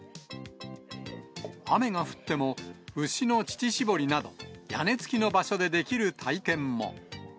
雨が降っても牛の乳搾りなど、屋根付きの場所でできる体験も。